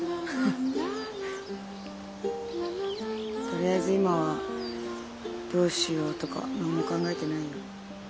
とりあえず今はどうしようとか何も考えてないよ。